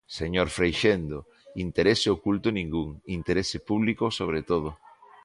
Señor Freixendo, interese oculto ningún, interese público sobre todo.